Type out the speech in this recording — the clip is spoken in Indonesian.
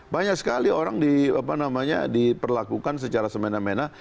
banyak sekali orang diperlakukan secara semena mena